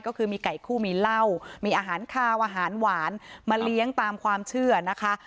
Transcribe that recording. ก็คือมีไก่คู่มีเหล้ามีอาหารคาวอาหารหวานมาเลี้ยงตามความเชื่อนะคะ